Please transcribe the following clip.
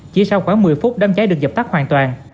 chỉ sau khoảng một mươi phút đám cháy được dập tắt hoàn toàn